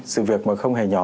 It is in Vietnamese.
sự việc mà không hề nhỏ